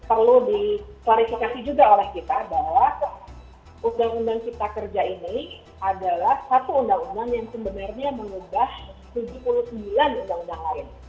perlu diklarifikasi juga oleh kita bahwa undang undang cipta kerja ini adalah satu undang undang yang sebenarnya mengubah tujuh puluh sembilan undang undang lain